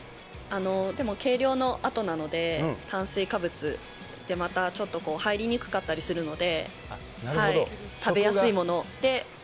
でも、計量のあとなので、炭水化物でまたちょっとこう入りにくかったりするので。